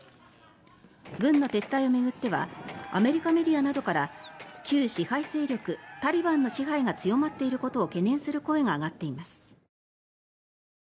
軍の撤退を巡ってはアメリカメディアなどから旧支配勢力タリバンの支配が強まっていることを懸念する声が上がっています。